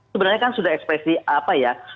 sebenarnya kan sudah ekspresi apa ya